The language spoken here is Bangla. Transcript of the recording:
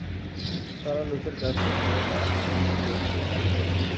তারা লুতের কাছ থেকে তার মেহমানদেরকে দাবি করল।